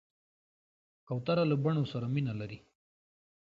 کوتره له بڼو سره مینه لري.